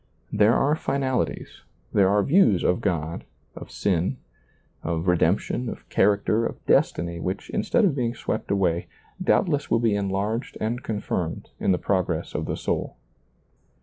There are finalities, there are views of God, of sin. ^lailizccbvGoOgle t6 SEEING DARKLY of redemption, of character, of destiny which instead of being swept away, doubtless will be enlai^ed and confirmed in the progress of the soul.